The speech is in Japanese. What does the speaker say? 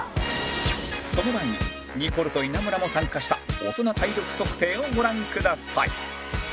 その前にニコルと稲村も参加したオトナ体力測定をご覧ください